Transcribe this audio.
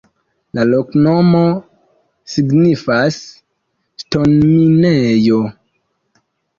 La loknomo signifas: ŝtonminejo.